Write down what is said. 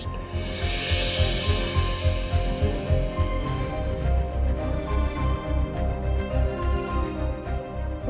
tapi kamu sama sekali gak peduli